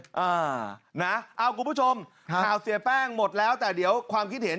อ่านะเอาคุณผู้ชมข่าวเสียแป้งหมดแล้วแต่เดี๋ยวความคิดเห็น